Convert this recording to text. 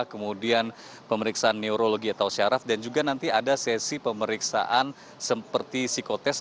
kemudian pemeriksaan neurologi atau syaraf dan juga nanti ada sesi pemeriksaan seperti psikotest